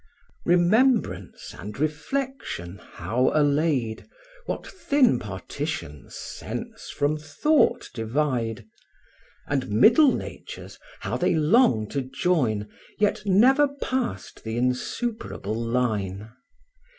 Remembrance and reflection how allayed; What thin partitions sense from thought divide: And middle natures, how they long to join, Yet never passed the insuperable line!